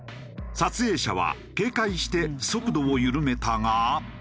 撮影者は警戒して速度を緩めたが。